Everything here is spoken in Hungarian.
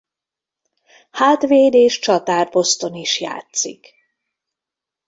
Hátvéd és csatár poszton is játszik.